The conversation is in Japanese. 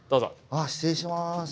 あっ失礼します。